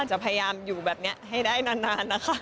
จะพยายามอยู่แบบนี้ให้ได้นานนะคะ